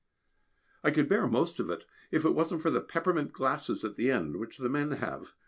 I could bear most of it, if it wasn't for the peppermint glasses at the end, which the men have.